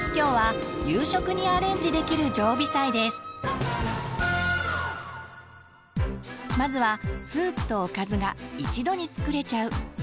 今日はまずはスープとおかずが一度に作れちゃう簡単「ゆで鶏」。